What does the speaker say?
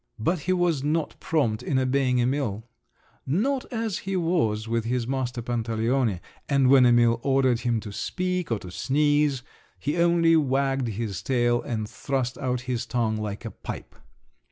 But he was not prompt in obeying Emil—not as he was with his master Pantaleone—and when Emil ordered him to "speak," or to "sneeze," he only wagged his tail and thrust out his tongue like a pipe.